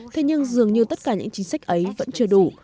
thế nhưng dường như tất cả những chính sách ấy vẫn chưa đủ